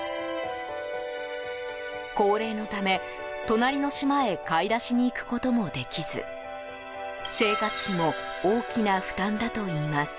高齢のため、隣の島へ買い出しに行くこともできず生活費も大きな負担だといいます。